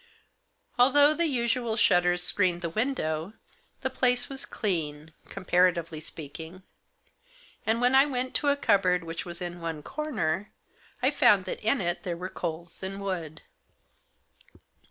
Although the usual shutters screened the window, the place was clean, comparatively speaking. And when I went to a cupboard which was in one corner, I found that in it there were coals and wood.